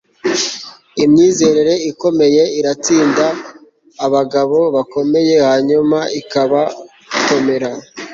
imyizerere ikomeye iratsinda abagabo bakomeye, hanyuma ikabakomera